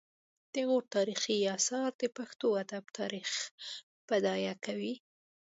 د غور تاریخي اثار د پښتو ادب تاریخ بډایه کوي